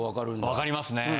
わかりますね。